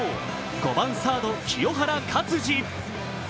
５番・サード、清原勝児。